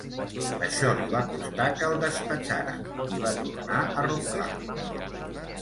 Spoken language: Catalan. Això li va costar que el despatxaren, i va tornar a Roncal.